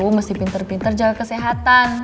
mesti pinter pinter jaga kesehatan